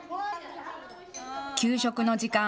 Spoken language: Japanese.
給食の時間。